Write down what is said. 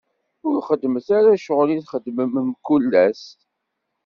Ur xeddmet ara ccɣel i txeddmem mkul ass.